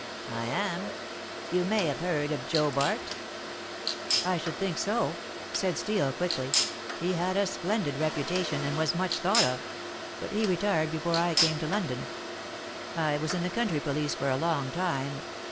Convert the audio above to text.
"I am. You may have heard of Joe Bart." "I should think so," said Steel quickly. "He had a splendid reputation, and was much thought of. But he retired before I came to London. I was in the country police for a long time.